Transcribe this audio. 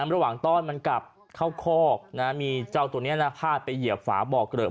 ต้อนมันกลับเข้าคอกมีเจ้าตัวนี้พาดไปเหยียบฝาบ่อเกลอะ